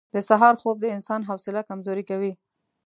• د سهار خوب د انسان حوصله کمزورې کوي.